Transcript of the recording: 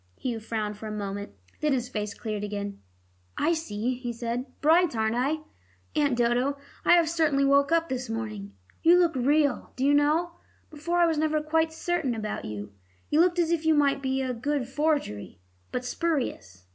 Hugh frowned for a moment; then his face cleared again. "I see," he said. "Bright, aren't I? Aunt Dodo, I have certainly woke up this morning. You look real, do you know; before I was never quite certain about you. You looked as if you might be a good forgery, but spurious.